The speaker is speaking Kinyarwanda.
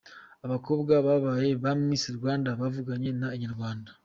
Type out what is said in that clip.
Abakobwa babaye ba 'Miss Rwanda' bavuganye na Inyarwanda.